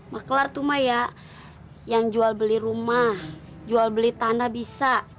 maklar tuh maya yang jual beli rumah jual beli tanah bisa